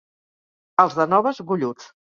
Els de Noves, golluts.